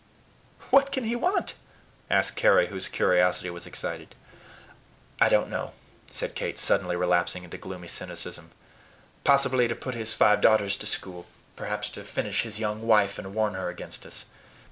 "What can he want?" asked Carry, whose curiosity was excited. "I don't know," said Kate, suddenly relapsing into gloomy cynicism. "Possibly to put his five daughters to school; perhaps to finish his young wife, and warn her against us."